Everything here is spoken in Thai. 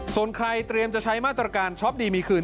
ส่วนใครเตรียมจะใช้มาตรการช็อปดีมีคืน